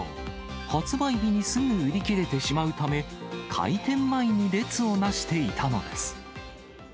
発売日にすぐ売り切れてしまうため、開店前に列をなしていたのです。